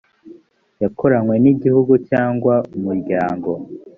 yakoranywe n igihugu cyangwa umuryango